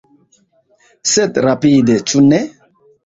Sed rapide, ĉu ne?